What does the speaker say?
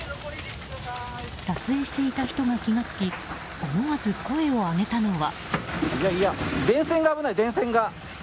撮影していた人が気がつき思わず声を上げたのは。